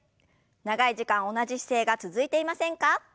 長い時間同じ姿勢が続いていませんか？